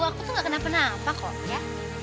aku tuh gak kenapa kenapa kok ya